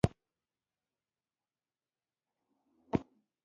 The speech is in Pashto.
ستاسې لاشعور ستاسې غوښتنې پهخپل نظام کې بدلوي